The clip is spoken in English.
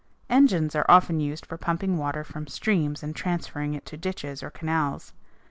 Engines are often used for pumping water from streams and transferring it to ditches or canals.